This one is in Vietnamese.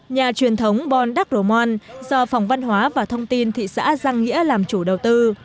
nhà truyền thống bon dac moan do phòng văn hóa và thông tin thị xã giang nghĩa làm chủ đầu tư